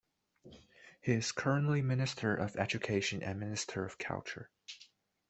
He is currently Minister of Education and Minister of Culture.